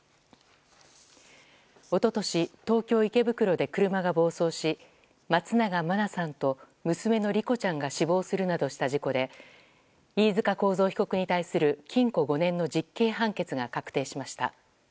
一昨年東京・池袋で車が暴走し松永真菜さんと娘の莉子ちゃんが死亡するなどした事故で飯塚幸三被告に対する禁錮５年の実刑判決が確定しました。